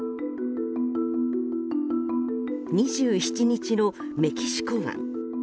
２７日のメキシコ湾。